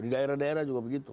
di daerah daerah juga begitu